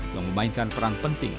yang memainkan perang penting